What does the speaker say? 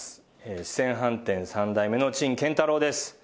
四川飯店３代目の陳建太郎です。